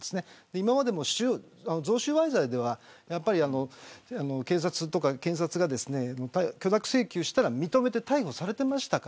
これまでも贈収賄罪では警察や検察が許諾請求したら認めて逮捕されました。